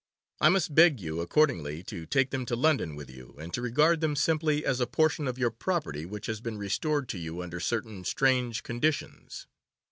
I must beg you, accordingly, to take them to London with you, and to regard them simply as a portion of your property which has been restored to you under certain strange conditions.